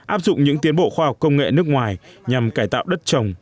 áp dụng những tiến bộ khoa học công nghệ nước ngoài nhằm cải tạo đất trồng